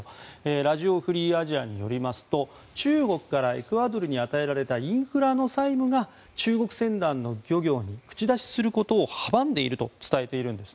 ラジオ・フリー・アジアによりますと中国からエクアドルに与えられたインフラの債務が中国船団の漁業に口出しすることを阻んでいると伝えているんです。